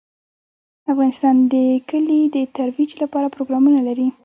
افغانستان د کلي د ترویج لپاره پروګرامونه لري.